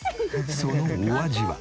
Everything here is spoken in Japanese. そのお味は。